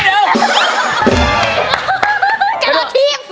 พี่แซคกระโดดทีบ